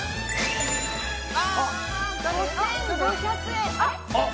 ５５００円。